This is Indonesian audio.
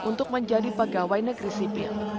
untuk menjadi pegawai negeri sipil